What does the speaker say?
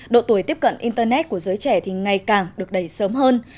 độ tuổi tiếp cận internet của giới trẻ thì ngày càng được đầy sớm hơn